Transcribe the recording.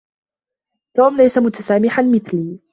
توم ليس متسامحا مثلي.